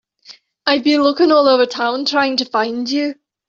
I've been looking all over town trying to find you.